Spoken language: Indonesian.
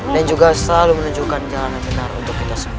dan juga selalu menunjukkan jalan yang benar untuk kita semua